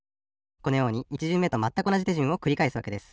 このように１じゅんめとまったくおなじてじゅんをくりかえすわけです。